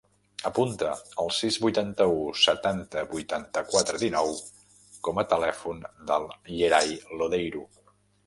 Apunta el sis, vuitanta-u, setanta, vuitanta-quatre, dinou com a telèfon del Yeray Lodeiro.